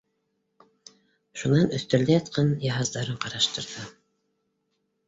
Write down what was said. Шунан өҫтәлдә ятҡан йыһаздарын ҡараштырҙы.